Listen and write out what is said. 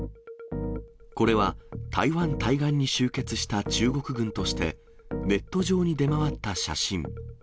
これは、台湾対岸に集結した中国軍として、ネット上に出回った写真。